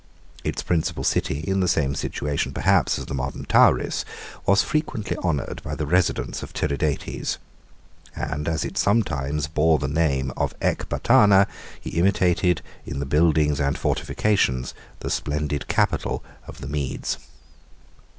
Its principal city, in the same situation perhaps as the modern Tauris, was frequently honored by the residence of Tiridates; and as it sometimes bore the name of Ecbatana, he imitated, in the buildings and fortifications, the splendid capital of the Medes.